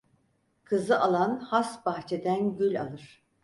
Kızı alan has bahçeden gül alır.